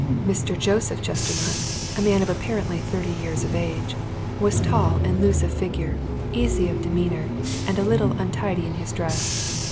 Mr. Joseph Chestermarke, a man of apparently thirty years of age, was tall and loose of figure, easy of demeanour, and a little untidy in his dress.